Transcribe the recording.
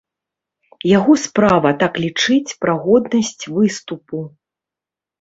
Яго справа так лічыць пра годнасць выступу.